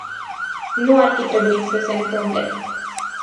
Nu ar fi trebuit să se întâmple.